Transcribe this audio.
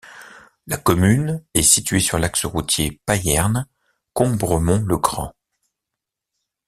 La commune est située sur l'axe routier Payerne - Combremont-le-Grand.